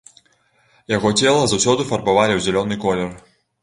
Яго цела заўсёды фарбавалі ў зялёны колер.